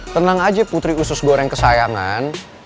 tenang aja putri usus goreng kesayangan